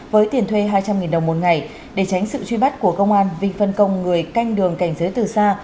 với tiền thuê hai trăm linh đồng một ngày để tránh sự truy bắt của công an vinh phân công người canh đường cảnh giới từ xa